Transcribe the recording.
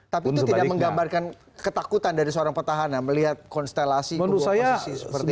tapi itu tidak menggambarkan ketakutan dari seorang petahana melihat konstelasi kedua oposisi seperti itu